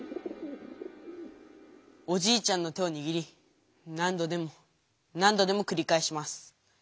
「おじいちゃんの手をにぎりなんどでもなんどでもくりかえします。